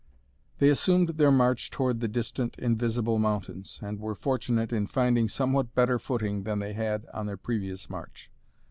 They resumed their march toward the distant invisible mountains, and were fortunate in finding somewhat better footing than they had on their previous march.